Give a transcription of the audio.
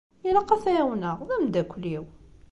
Ilaq ad t-ɛiwneɣ, d ameddakel-iw.